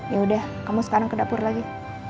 yaudah kamu sekarang ke dapur lagi